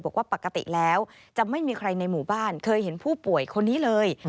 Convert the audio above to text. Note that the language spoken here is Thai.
บอกว่าปกติแล้วจะไม่มีใครในหมู่บ้านเคยเห็นผู้ป่วยคนนี้เลย